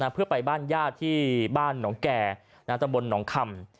เพื่อไปบ้านญาติที่บ้านหนองแก่ตำบลหนองคำ